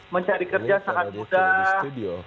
mencari kerja sangat mudah